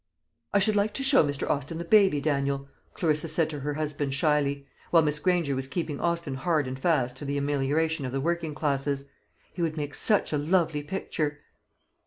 "I should like to show Mr. Austin the baby, Daniel," Clarissa said to her husband shyly, while Miss Granger was keeping Austin hard and fast to the amelioration of the working classes; "he would make such a lovely picture."